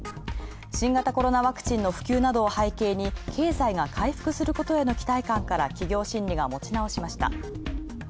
新型コロナワクチンの普及への経済が回復することへの期待感から企業心理が持ち直しました。